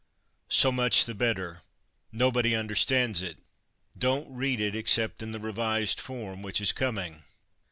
"So much the better. Nobody understands it. Don't read it, except in the revised form, which is coming."